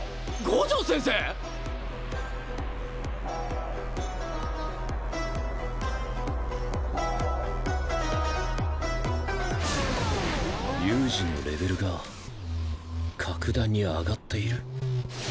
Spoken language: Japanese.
五条先生⁉悠仁のレベルが各段に上がっている。